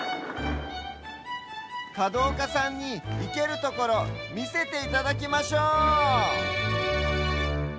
かどうかさんにいけるところみせていただきましょう！